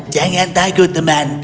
jangan takut temanku